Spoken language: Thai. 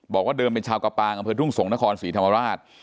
บอกว่าเดิมเป็นชาวกระปางอำเภอทุ่งสงศนครศรีธรรมราช